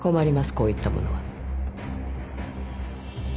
こういったものは